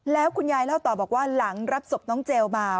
แล้วคุณยายเล่าต่อบอกว่าหลังรับศพน้องเจลมา